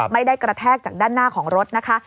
กระแทกจากด้านหน้าของรถนะคะ